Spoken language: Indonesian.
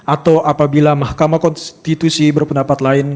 atau apabila mahkamah konstitusi berpendapat lain